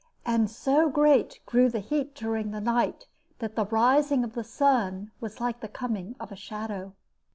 And so great grew the heat during the night that the rising of the sun was like the coming of a shadow.